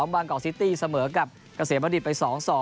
บางกอกซิตี้เสมอกับเกษตรวรรดิไป๒๒